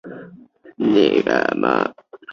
边界道路大致上沿着深圳河的南岸而建。